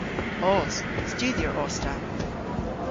Os. Studhyer os ta.